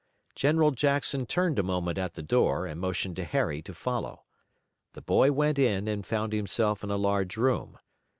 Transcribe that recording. General Jackson turned a moment at the door and motioned to Harry to follow. The boy went in, and found himself in a large room.